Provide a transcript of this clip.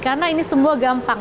karena ini semua gampang